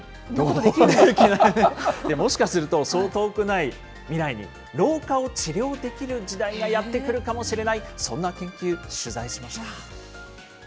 もしかすると、そう遠くない未来に、老化を治療できる時代がやってくるかもしれない、そんな研究、取材しました。